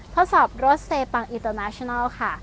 ทดสอบรถเซปังอิโตนาชนัลค่ะ